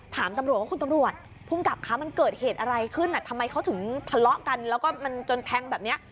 ถามตำรวจว่าคุณตำรวจภูมิกับคะมันเกิดเหตุอะไรขึ้นทำไมเขาถึงทะเลาะกันแล้วก็มันจนแทงแบบนี้